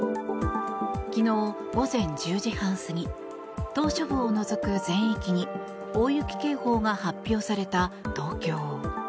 昨日午前１０時半過ぎ島しょ部を除く全域に大雪警報が発表された東京。